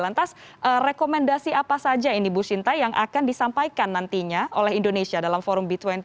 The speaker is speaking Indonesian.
lantas rekomendasi apa saja ini bu sinta yang akan disampaikan nantinya oleh indonesia dalam forum b dua puluh